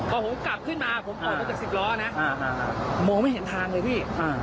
เอาละปิดไปทีนี้ซาแต่ถ้าทำอะไรไม่ได้